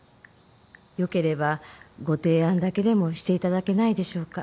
よければご提案だけでもしていただけないでしょうか。